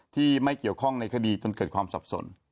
ที่ไม่เกี่ยวข้องในคดีจนเกิดความสับสน